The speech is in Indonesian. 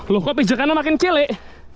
loh kok pijakannya makin kecil eh